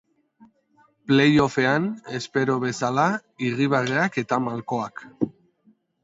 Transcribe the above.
Play-offean, espero bezala, irribarreak eta malkoak.